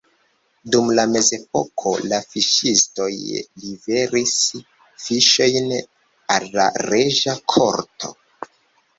Dum la mezepoko la fiŝistoj liveris fiŝojn al la reĝa korto.